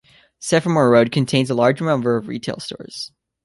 Semaphore Road contains a large number of retail stores.